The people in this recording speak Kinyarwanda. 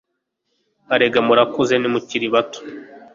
erega murakuze ntimukili bato